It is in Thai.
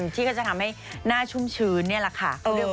ที่ก็จะทำให้หน้าชุ่มชื้นนี่แหละค่ะ